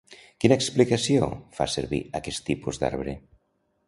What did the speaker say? Quina explicació fa Servi d'aquest tipus d'arbre?